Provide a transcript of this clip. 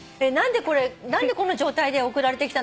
何でこれこの状態で送られてきたのかな？